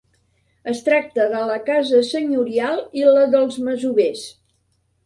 Es tracta de la casa senyorial i la dels masovers.